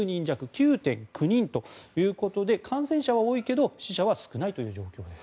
９．９人ということで感染者は多いけど死者は少ない状況です。